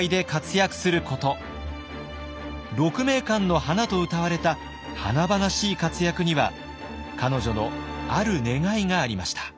鹿鳴館の華とうたわれた華々しい活躍には彼女のある願いがありました。